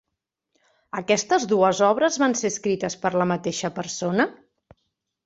Aquestes dues obres van ser escrites per la mateixa persona?